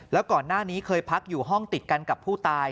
แล้วก่อนหน้านี้เคยพักอยู่ห้องติดกันกับผู้ตาย